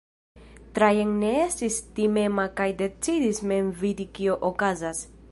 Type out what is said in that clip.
Trajan ne estis timema kaj decidis mem vidi kio okazas.